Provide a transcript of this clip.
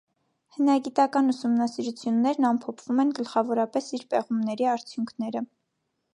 Հնագիտական ուսումնասիրություններն ամփովում են գլխավորապես իր պեղումների արդյունքները։